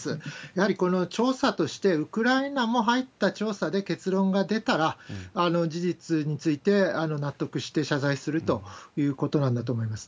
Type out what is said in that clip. やはりこの調査として、ウクライナも入った調査で結論が出たら、事実について納得して謝罪するということなんだと思います。